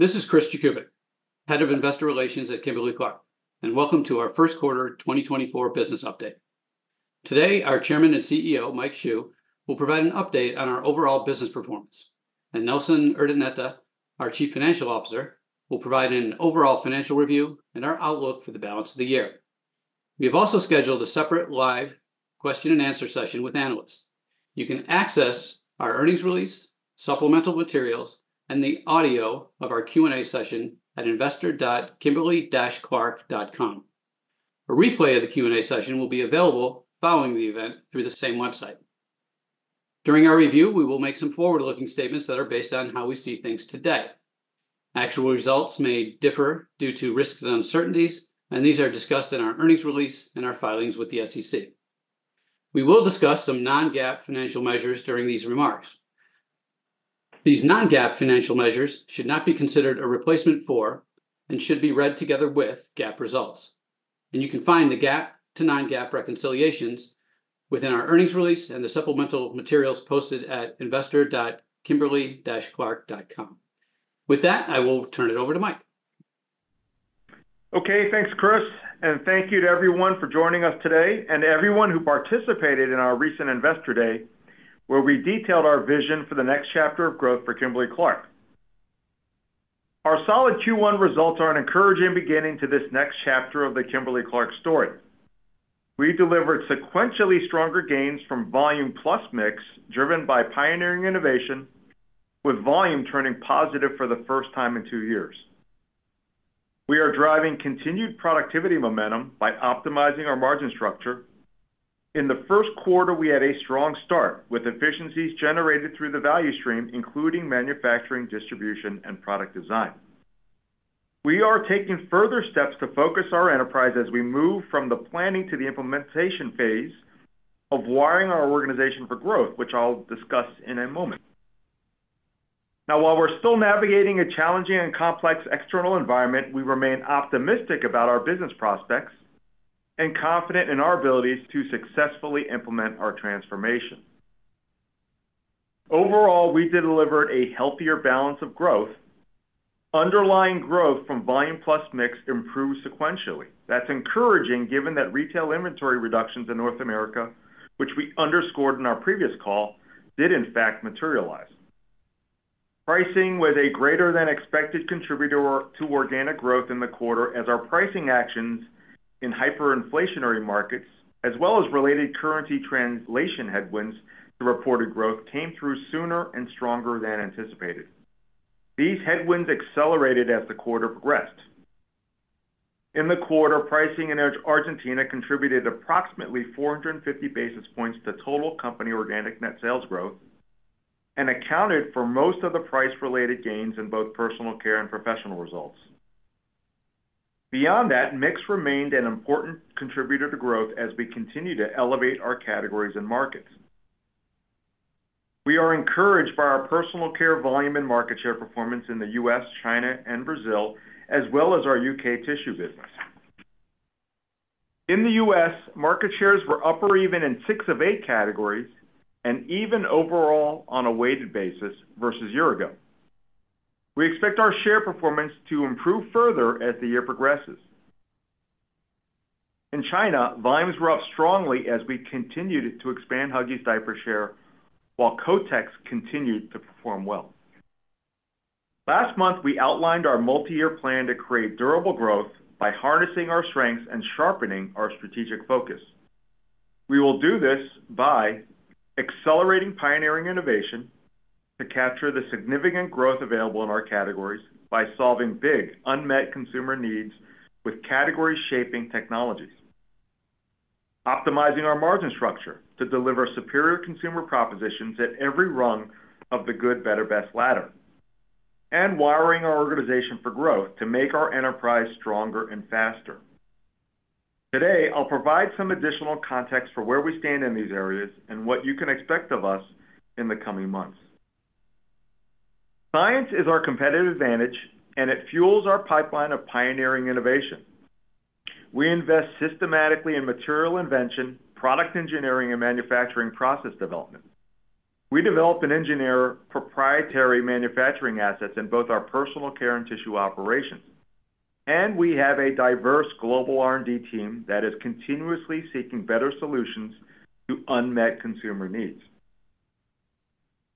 Hello, this is Chris Jakubik, Head of Investor Relations at Kimberly-Clark, and welcome to our first quarter 2024 business update. Today, our Chairman and CEO, Mike Hsu, will provide an update on our overall business performance, and Nelson Urdaneta, our Chief Financial Officer, will provide an overall financial review and our outlook for the balance of the year. We have also scheduled a separate live question-and-answer session with analysts. You can access our earnings release, supplemental materials, and the audio of our Q&A session at investor.kimberly-clark.com. A replay of the Q&A session will be available following the event through the same website. During our review, we will make some forward-looking statements that are based on how we see things today. Actual results may differ due to risks and uncertainties, and these are discussed in our earnings release and our filings with the SEC. We will discuss some non-GAAP financial measures during these remarks. These non-GAAP financial measures should not be considered a replacement for, and should be read together with, GAAP results. You can find the GAAP to non-GAAP reconciliations within our earnings release and the supplemental materials posted at investor.kimberly-clark.com. With that, I will turn it over to Mike. Okay, thanks, Chris, and thank you to everyone for joining us today and everyone who participated in our recent Investor Day, where we detailed our vision for the next chapter of growth for Kimberly-Clark. Our solid Q1 results are an encouraging beginning to this next chapter of the Kimberly-Clark story. We delivered sequentially stronger gains from volume plus mix, driven by pioneering innovation, with volume turning positive for the first time in two years. We are driving continued productivity momentum by optimizing our margin structure. In the first quarter, we had a strong start, with efficiencies generated through the value stream, including manufacturing, distribution, and product design. We are taking further steps to focus our enterprise as we move from the planning to the implementation phase of wiring our organization for growth, which I'll discuss in a moment. Now, while we're still navigating a challenging and complex external environment, we remain optimistic about our business prospects and confident in our abilities to successfully implement our transformation. Overall, we delivered a healthier balance of growth. Underlying growth from volume plus mix improved sequentially. That's encouraging, given that retail inventory reductions in North America, which we underscored in our previous call, did in fact materialize. Pricing was a greater than expected contributor to organic growth in the quarter as our pricing actions in hyperinflationary markets, as well as related currency translation headwinds. The reported growth came through sooner and stronger than anticipated. These headwinds accelerated as the quarter progressed. In the quarter, pricing in Argentina contributed approximately 450 basis points to total company organic net sales growth and accounted for most of the price-related gains in both Personal Care and Professional results. Beyond that, mix remained an important contributor to growth as we continue to elevate our categories and markets. We are encouraged by our Personal Care volume and market share performance in the U.S., China, and Brazil, as well as our U.K. tissue business. In the U.S., market shares were up or even in six of eight categories and even overall on a weighted basis versus year-ago. We expect our share performance to improve further as the year progresses. In China, volumes were up strongly as we continued to expand Huggies diaper share, while Kotex continued to perform well. Last month, we outlined our multi-year plan to create durable growth by harnessing our strengths and sharpening our strategic focus. We will do this by accelerating pioneering innovation to capture the significant growth available in our categories, by solving big, unmet consumer needs with category-shaping technologies, optimizing our margin structure to deliver superior consumer propositions at every rung of the good, better, best ladder, and wiring our organization for growth to make our enterprise stronger and faster. Today, I'll provide some additional context for where we stand in these areas and what you can expect of us in the coming months. Science is our competitive advantage, and it fuels our pipeline of pioneering innovation. We invest systematically in material invention, product engineering, and manufacturing process development. We develop and engineer proprietary manufacturing assets in both our Personal Care and tissue operations, and we have a diverse global R&D team that is continuously seeking better solutions to unmet consumer needs.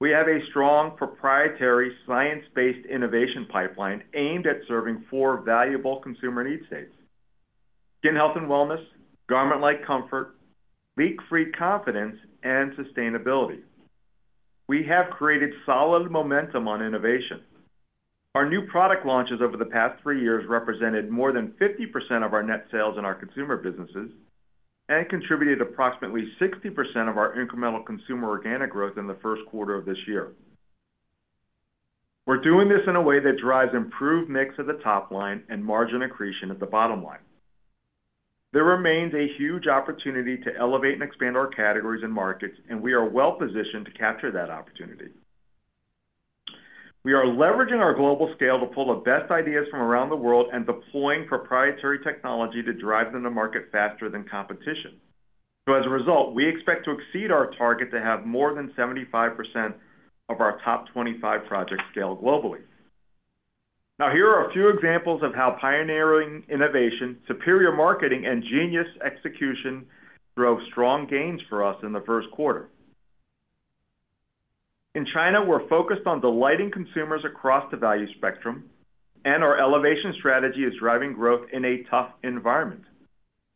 We have a strong proprietary science-based innovation pipeline aimed at serving four valuable consumer need states: skin health and wellness, garment-like comfort, leak-free confidence, and sustainability. We have created solid momentum on innovation. Our new product launches over the past three years represented more than 50% of our net sales in our consumer businesses and contributed approximately 60% of our incremental consumer organic growth in the first quarter of this year. We're doing this in a way that drives improved mix at the top line and margin accretion at the bottom line. There remains a huge opportunity to elevate and expand our categories and markets, and we are well positioned to capture that opportunity. We are leveraging our global scale to pull the best ideas from around the world and deploying proprietary technology to drive them to market faster than competition... So as a result, we expect to exceed our target to have more than 75% of our top 25 projects scale globally. Now, here are a few examples of how pioneering innovation, superior marketing, and genius execution drove strong gains for us in the first quarter. In China, we're focused on delighting consumers across the value spectrum, and our elevation strategy is driving growth in a tough environment.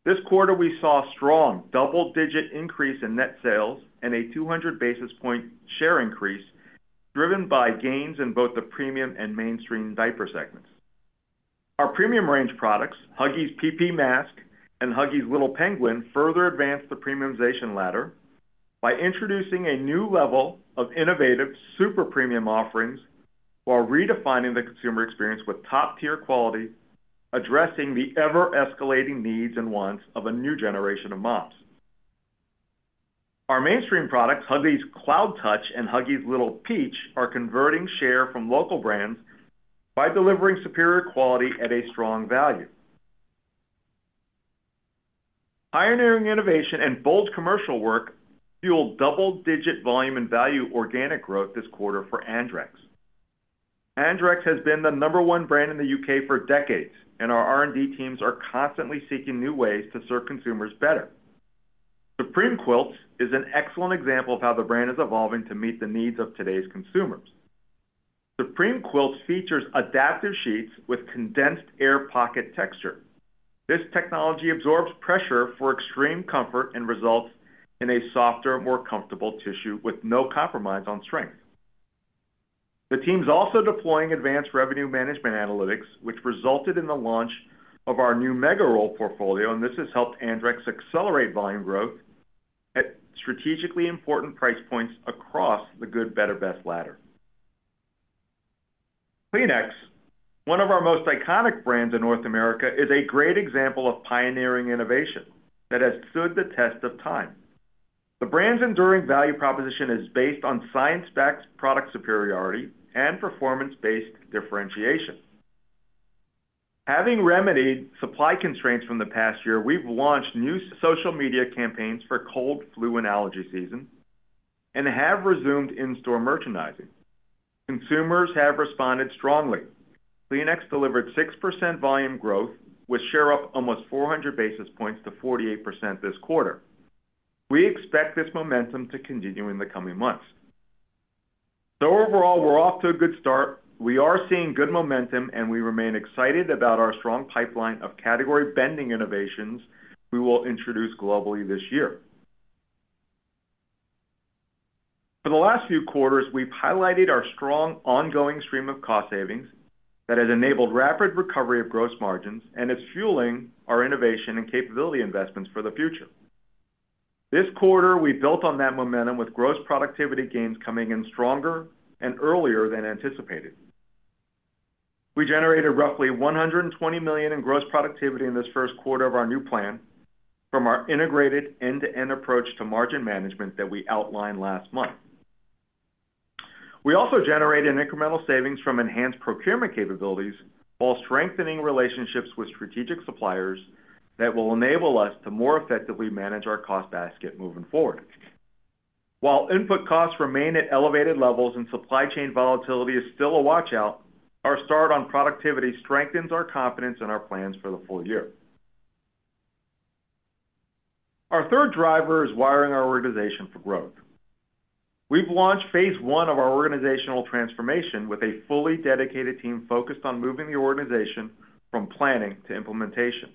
This quarter, we saw a strong double-digit increase in net sales and a 200 basis point share increase, driven by gains in both the premium and mainstream diaper segments. Our premium range products, Huggies PP Mask and Huggies Little Penguin, further advance the premiumization ladder by introducing a new level of innovative super premium offerings while redefining the consumer experience with top-tier quality, addressing the ever-escalating needs and wants of a new generation of moms. Our mainstream products, Huggies Cloud Touch and Huggies Little Peach, are converting share from local brands by delivering superior quality at a strong value. Pioneering innovation and bold commercial work fueled double-digit volume and value organic growth this quarter for Andrex. Andrex has been the number one brand in the U.K. for decades, and our R&D teams are constantly seeking new ways to serve consumers better. Supreme Quilts is an excellent example of how the brand is evolving to meet the needs of today's consumers. Supreme Quilts features adaptive sheets with condensed air pocket texture. This technology absorbs pressure for extreme comfort and results in a softer, more comfortable tissue with no compromise on strength. The team's also deploying advanced revenue management analytics, which resulted in the launch of our new mega roll portfolio, and this has helped Andrex accelerate volume growth at strategically important price points across the good, better, best ladder. Kleenex, one of our most iconic brands in North America, is a great example of pioneering innovation that has stood the test of time. The brand's enduring value proposition is based on science-backed product superiority and performance-based differentiation. Having remedied supply constraints from the past year, we've launched new social media campaigns for cold, flu, and allergy season and have resumed in-store merchandising. Consumers have responded strongly. Kleenex delivered 6% volume growth, with share up almost 400 basis points to 48% this quarter. We expect this momentum to continue in the coming months. Overall, we're off to a good start. We are seeing good momentum, and we remain excited about our strong pipeline of category-bending innovations we will introduce globally this year. For the last few quarters, we've highlighted our strong ongoing stream of cost savings that has enabled rapid recovery of gross margins and is fueling our innovation and capability investments for the future. This quarter, we built on that momentum with gross productivity gains coming in stronger and earlier than anticipated. We generated roughly $120 million in gross productivity in this first quarter of our new plan from our integrated end-to-end approach to margin management that we outlined last month. We also generated incremental savings from enhanced procurement capabilities while strengthening relationships with strategic suppliers that will enable us to more effectively manage our cost basket moving forward. While input costs remain at elevated levels and supply chain volatility is still a watch-out, our start on productivity strengthens our confidence and our plans for the full year. Our third driver is wiring our organization for growth. We've launched phase 1 of our organizational transformation with a fully dedicated team focused on moving the organization from planning to implementation.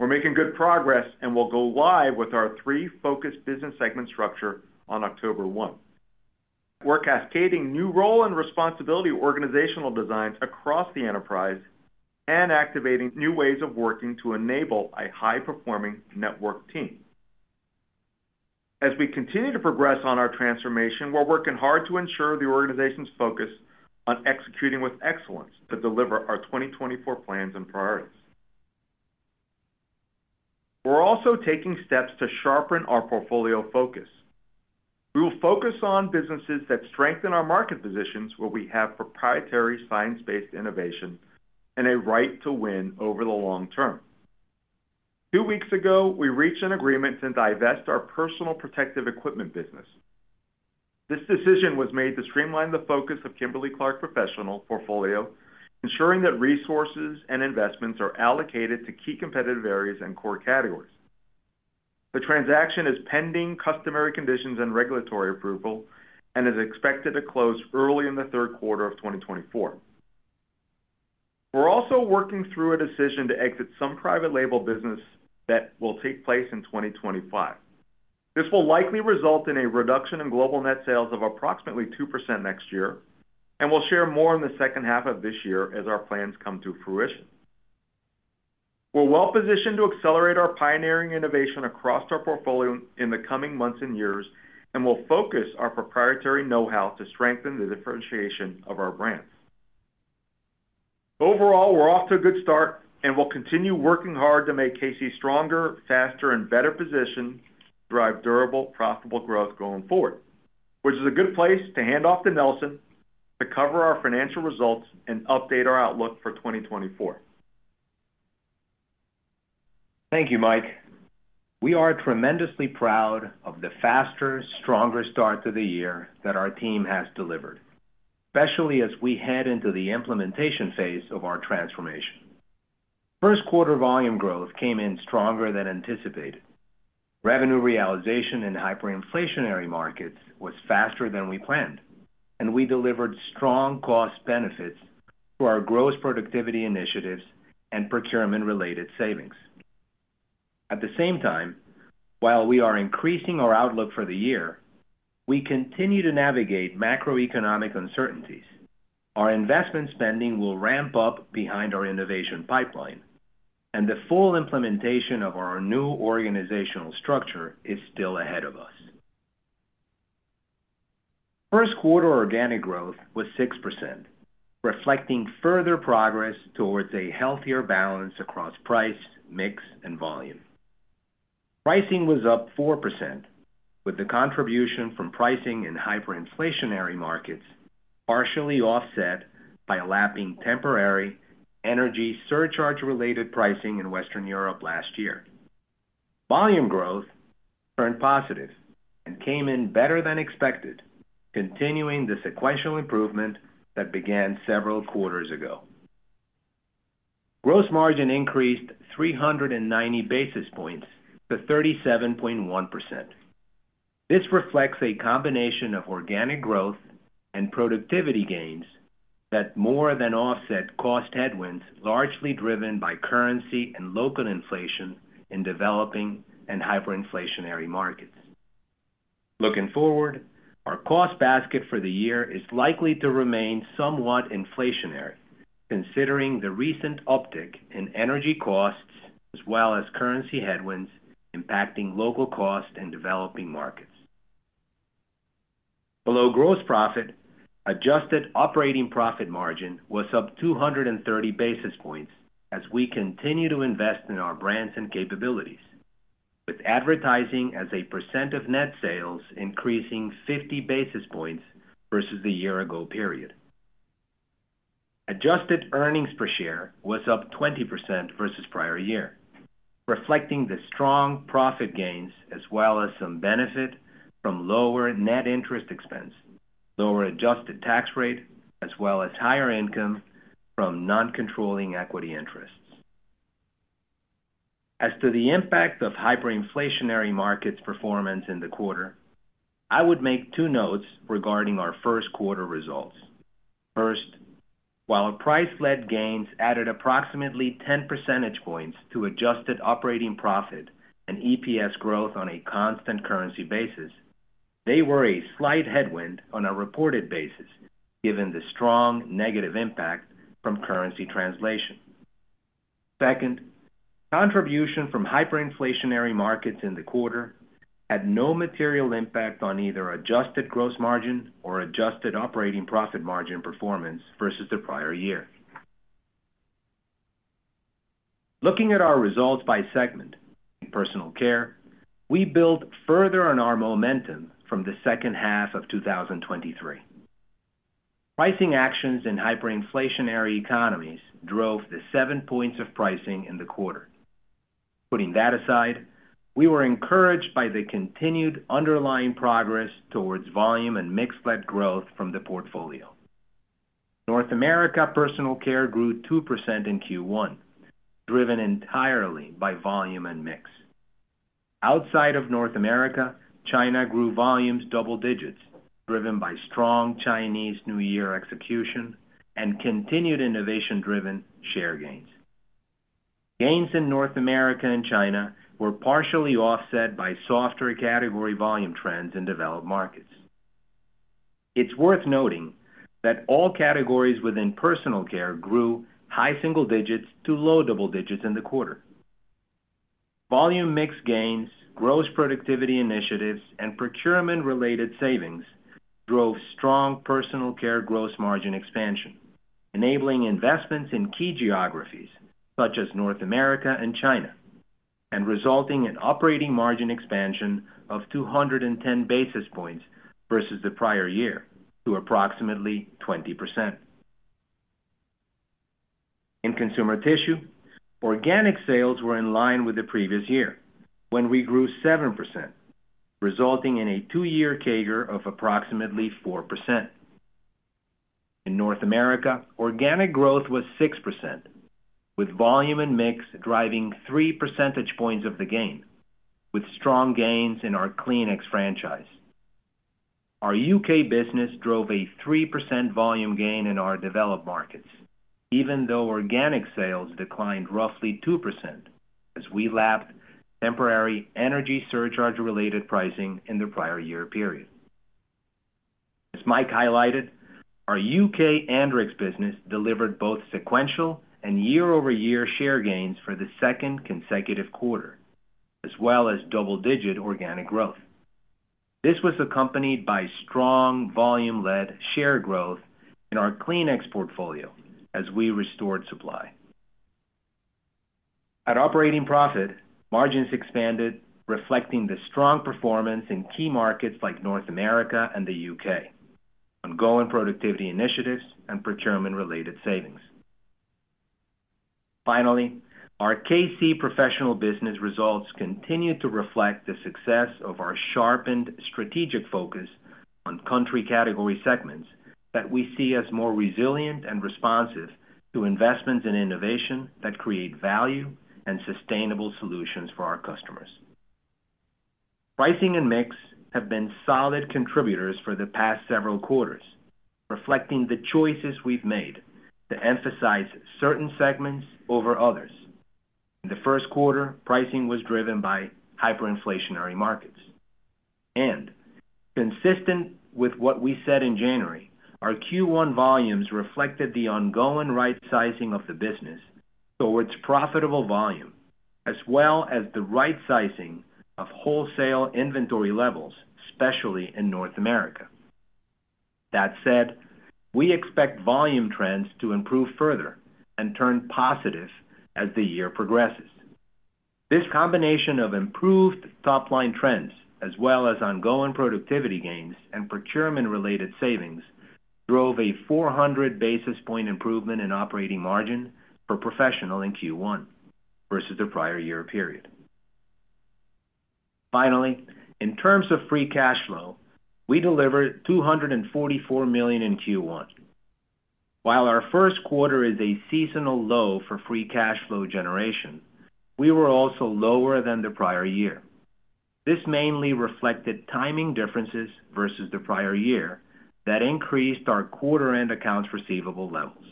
We're making good progress, and we'll go live with our three focused business segment structure on October 1. We're cascading new role and responsibility organizational designs across the enterprise and activating new ways of working to enable a high-performing network team. As we continue to progress on our transformation, we're working hard to ensure the organization's focus on executing with excellence to deliver our 2024 plans and priorities. We're also taking steps to sharpen our portfolio focus. We will focus on businesses that strengthen our market positions, where we have proprietary science-based innovation and a right to win over the long term. Two weeks ago, we reached an agreement to divest our personal protective equipment business. This decision was made to streamline the focus of Kimberly-Clark Professional portfolio, ensuring that resources and investments are allocated to key competitive areas and core categories. The transaction is pending customary conditions and regulatory approval and is expected to close early in the third quarter of 2024. We're also working through a decision to exit some private label business that will take place in 2025. This will likely result in a reduction in global net sales of approximately 2% next year, and we'll share more in the second half of this year as our plans come to fruition. We're well-positioned to accelerate our pioneering innovation across our portfolio in the coming months and years, and we'll focus our proprietary know-how to strengthen the differentiation of our brands. Overall, we're off to a good start, and we'll continue working hard to make KC stronger, faster, and better positioned to drive durable, profitable growth going forward, which is a good place to hand off to Nelson to cover our financial results and update our outlook for 2024. Thank you, Mike. We are tremendously proud of the faster, stronger start to the year that our team has delivered, especially as we head into the implementation phase of our transformation. First quarter volume growth came in stronger than anticipated. Revenue realization in hyperinflationary markets was faster than we planned, and we delivered strong cost benefits through our gross productivity initiatives and procurement-related savings. At the same time, while we are increasing our outlook for the year, we continue to navigate macroeconomic uncertainties. Our investment spending will ramp up behind our innovation pipeline, and the full implementation of our new organizational structure is still ahead of us. First quarter organic growth was 6%, reflecting further progress towards a healthier balance across price, mix, and volume. Pricing was up 4%, with the contribution from pricing in hyperinflationary markets partially offset by a lapping temporary energy surcharge-related pricing in Western Europe last year. Volume growth turned positive and came in better than expected, continuing the sequential improvement that began several quarters ago. Gross margin increased 390 basis points to 37.1%. This reflects a combination of organic growth and productivity gains that more than offset cost headwinds, largely driven by currency and local inflation in developing and hyperinflationary markets. Looking forward, our cost basket for the year is likely to remain somewhat inflationary, considering the recent uptick in energy costs, as well as currency headwinds impacting local costs in developing markets. Below gross profit, adjusted operating profit margin was up 230 basis points as we continue to invest in our brands and capabilities, with advertising as a percent of net sales increasing 50 basis points versus the year ago period. Adjusted earnings per share was up 20% versus prior year, reflecting the strong profit gains, as well as some benefit from lower net interest expense, lower adjusted tax rate, as well as higher income from non-controlling equity interests. As to the impact of hyperinflationary markets performance in the quarter, I would make two notes regarding our first quarter results. First, while price-led gains added approximately 10 percentage points to adjusted operating profit and EPS growth on a constant currency basis, they were a slight headwind on a reported basis, given the strong negative impact from currency translation. Second, contribution from hyperinflationary markets in the quarter had no material impact on either adjusted gross margin or adjusted operating profit margin performance versus the prior year. Looking at our results by segment, Personal Care, we built further on our momentum from the second half of 2023. Pricing actions in hyperinflationary economies drove the 7 points of pricing in the quarter. Putting that aside, we were encouraged by the continued underlying progress towards volume and mix-led growth from the portfolio. North America Personal Care grew 2% in Q1, driven entirely by volume and mix. Outside of North America, China grew volumes double digits, driven by strong Chinese New Year execution and continued innovation-driven share gains. Gains in North America and China were partially offset by softer category volume trends in developed markets. It's worth noting that all categories within Personal Care grew high single digits to low double digits in the quarter. Volume mix gains, gross productivity initiatives, and procurement-related savings drove strong Personal Care gross margin expansion, enabling investments in key geographies such as North America and China, and resulting in operating margin expansion of 210 basis points versus the prior year to approximately 20%. In Consumer Tissue, organic sales were in line with the previous year, when we grew 7%, resulting in a two-year CAGR of approximately 4%. In North America, organic growth was 6%, with volume and mix driving three percentage points of the gain, with strong gains in our Kleenex franchise. Our U.K. business drove a 3% volume gain in our developed markets, even though organic sales declined roughly 2% as we lapped temporary energy surcharge-related pricing in the prior year period. As Mike highlighted, our U.K. Andrex business delivered both sequential and year-over-year share gains for the second consecutive quarter, as well as double-digit organic growth. This was accompanied by strong volume-led share growth in our Kleenex portfolio as we restored supply. At operating profit, margins expanded, reflecting the strong performance in key markets like North America and the UK, ongoing productivity initiatives, and procurement-related savings. Finally, our KC Professional Business results continue to reflect the success of our sharpened strategic focus on country category segments that we see as more resilient and responsive to investments in innovation that create value and sustainable solutions for our customers. Pricing and mix have been solid contributors for the past several quarters, reflecting the choices we've made to emphasize certain segments over others. In the first quarter, pricing was driven by hyperinflationary markets, and consistent with what we said in January, our Q1 volumes reflected the ongoing right sizing of the business towards profitable volume, as well as the right sizing of wholesale inventory levels, especially in North America. That said, we expect volume trends to improve further and turn positive as the year progresses. This combination of improved top-line trends, as well as ongoing productivity gains and procurement-related savings, drove a 400 basis point improvement in operating margin for Professional in Q1 versus the prior year period. Finally, in terms of free cash flow, we delivered $244 million in Q1. While our first quarter is a seasonal low for free cash flow generation, we were also lower than the prior year. This mainly reflected timing differences versus the prior year that increased our quarter-end accounts receivable levels.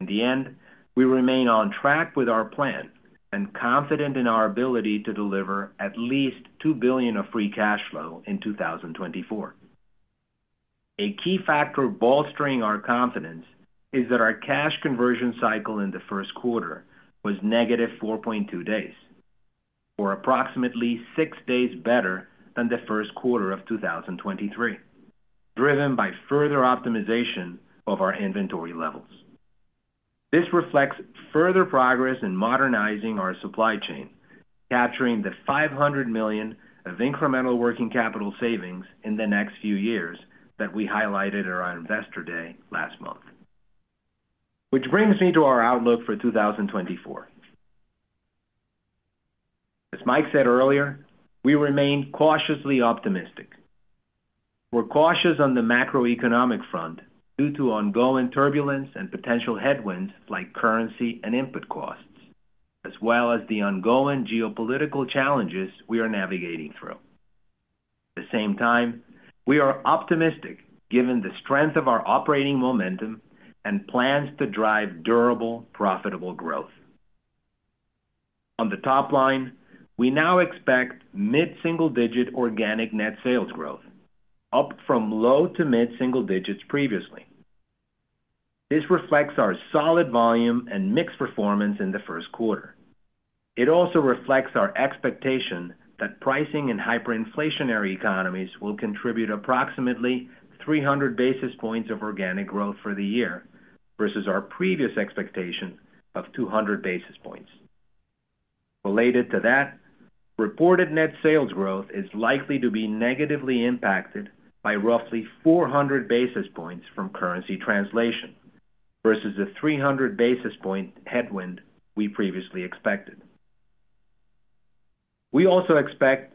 In the end, we remain on track with our plan and confident in our ability to deliver at least $2 billion of free cash flow in 2024. A key factor bolstering our confidence is that our cash conversion cycle in the first quarter was -4.2 days, or approximately six days better than the first quarter of 2023, driven by further optimization of our inventory levels. This reflects further progress in modernizing our supply chain, capturing the $500 million of incremental working capital savings in the next few years that we highlighted at our Investor Day last month. Which brings me to our outlook for 2024. As Mike said earlier, we remain cautiously optimistic. We're cautious on the macroeconomic front due to ongoing turbulence and potential headwinds like currency and input costs, as well as the ongoing geopolitical challenges we are navigating through. At the same time, we are optimistic given the strength of our operating momentum and plans to drive durable, profitable growth. On the top line, we now expect mid-single-digit organic net sales growth, up from low to mid-single digits previously. This reflects our solid volume and mix performance in the first quarter. It also reflects our expectation that pricing in hyperinflationary economies will contribute approximately 300 basis points of organic growth for the year versus our previous expectation of 200 basis points. Related to that, reported net sales growth is likely to be negatively impacted by roughly 400 basis points from currency translation versus the 300 basis point headwind we previously expected. We also expect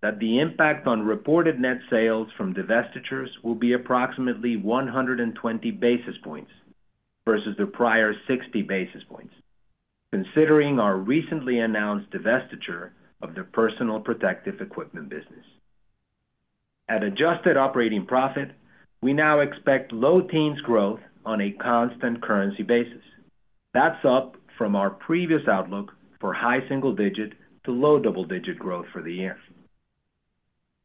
that the impact on reported net sales from divestitures will be approximately 120 basis points versus the prior 60 basis points, considering our recently announced divestiture of the personal protective equipment business. At adjusted operating profit, we now expect low teens growth on a constant currency basis. That's up from our previous outlook for high single digit to low double-digit growth for the year.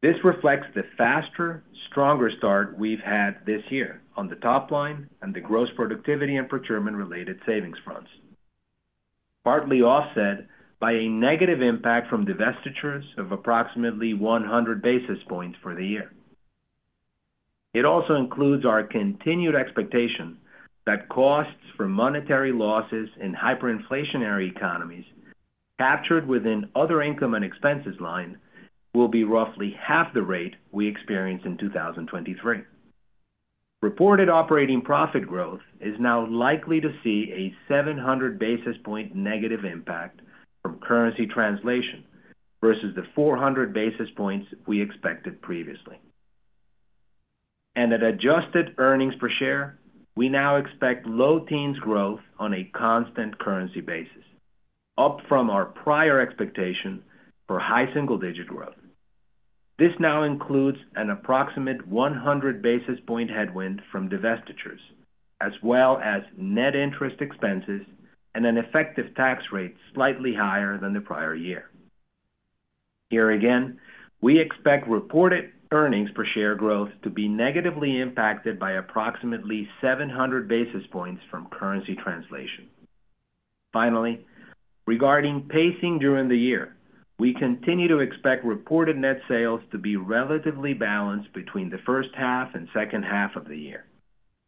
This reflects the faster, stronger start we've had this year on the top line and the gross productivity and procurement-related savings fronts, partly offset by a negative impact from divestitures of approximately 100 basis points for the year. It also includes our continued expectation that costs for monetary losses in hyperinflationary economies, captured within other income and expenses line, will be roughly half the rate we experienced in 2023. Reported operating profit growth is now likely to see a 700 basis point negative impact from currency translation versus the 400 basis points we expected previously. And at adjusted earnings per share, we now expect low teens growth on a constant currency basis, up from our prior expectation for high single-digit growth. This now includes an approximate 100 basis point headwind from divestitures, as well as net interest expenses and an effective tax rate slightly higher than the prior year. Here again, we expect reported earnings per share growth to be negatively impacted by approximately 700 basis points from currency translation. Finally, regarding pacing during the year, we continue to expect reported net sales to be relatively balanced between the first half and second half of the year.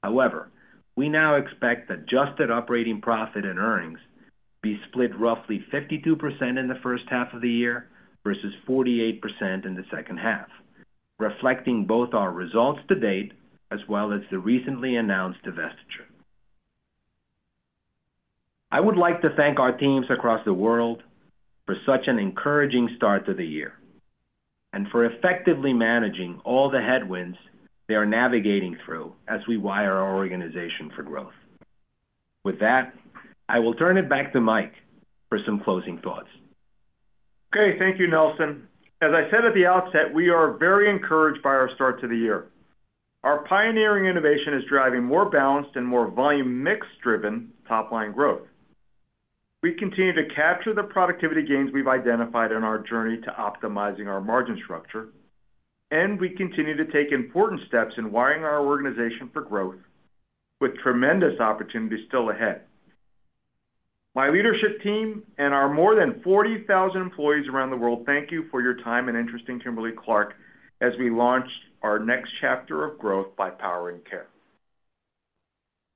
However, we now expect adjusted operating profit and earnings be split roughly 52% in the first half of the year versus 48% in the second half, reflecting both our results to date as well as the recently announced divestiture. I would like to thank our teams across the world for such an encouraging start to the year, and for effectively managing all the headwinds they are navigating through as we wire our organization for growth. With that, I will turn it back to Mike for some closing thoughts. Okay. Thank you, Nelson. As I said at the outset, we are very encouraged by our start to the year. Our pioneering innovation is driving more balanced and more volume mix-driven top-line growth. We continue to capture the productivity gains we've identified in our journey to optimizing our margin structure, and we continue to take important steps in wiring our organization for growth with tremendous opportunities still ahead. My leadership team and our more than 40,000 employees around the world thank you for your time and interest in Kimberly-Clark, as we launch our next chapter of growth by powering care.